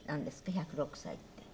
１０６歳って。